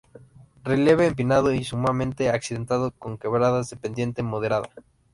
Relieve empinado y sumamente accidentado con quebradas de pendiente moderada.